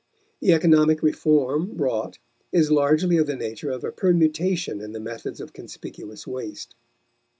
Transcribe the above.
The economic reform wrought is largely of the nature of a permutation in the methods of conspicuous waste.